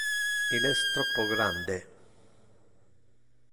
Il es troppo grande.